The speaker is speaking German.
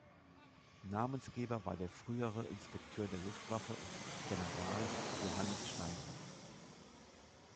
Namensgeber war der frühere Inspekteur der Luftwaffe und General Johannes Steinhoff.